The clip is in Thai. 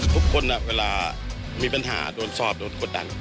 ทุกคนเนี่ยเวลามีปัญหาโดนสอบโดนกดดัง